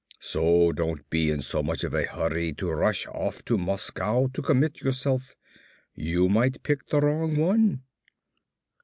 So don't be in so much of a hurry to rush off to Moscow to commit yourself. You might pick the wrong one."